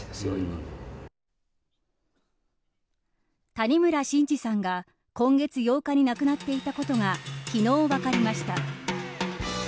谷村新司さんが今月８日に亡くなっていたことが昨日、分かりました。